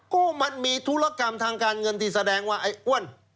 ก็มันมีธุรกรรมทางการเงินที่แสดงว่าไอ้อ้วน